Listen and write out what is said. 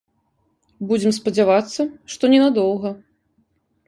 Будзем спадзявацца, што не на доўга.